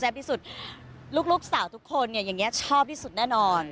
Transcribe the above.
ลูกสาวทุกคนชอบด้วยสุดแน่นอน